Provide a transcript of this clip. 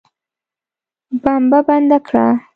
بمبه بنده کړه.